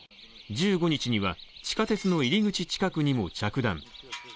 １５日には地下鉄の入り口近くにも着弾。